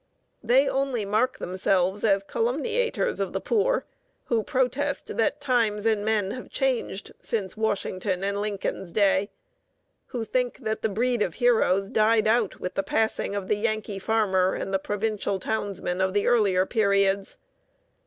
They only mark themselves as calumniators of the poor who protest that times and men have changed since Washington's and Lincoln's day; who think that the breed of heroes died out with the passing of the Yankee farmer and the provincial townsman of the earlier periods.